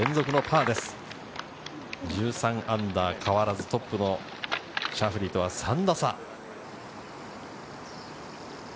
ー１３、変わらずトップのシャフリーとは３打差。